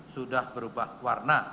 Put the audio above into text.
sudah berubah warna